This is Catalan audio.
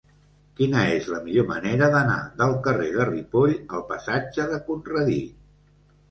Quina és la millor manera d'anar del carrer de Ripoll al passatge de Conradí?